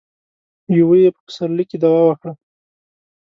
يو يې په پسرلي کې دعوه وکړه.